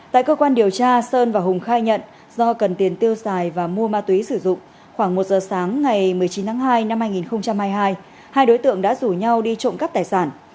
tại cơ quan điều tra sơn và hùng khai nhận do cần tiền tiêu xài và mua ma túy sử dụng khoảng một giờ sáng ngày một mươi chín tháng hai năm hai nghìn hai mươi hai hai đối tượng đã rủ nhau đi trộm cắp tài sản